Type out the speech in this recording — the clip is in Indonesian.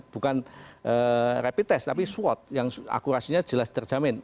bukan rapid test tapi swab yang akurasinya jelas terjamin